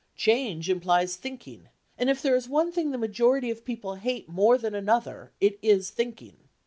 Change implies thinking, and if there is one thing the majority of people hate more than another it is thinking.